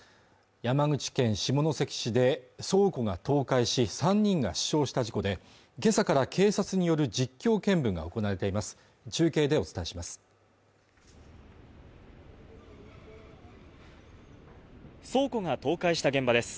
山口県下関市で倉庫が倒壊し３人が死傷した事故で今朝から警察による実況見分が行われています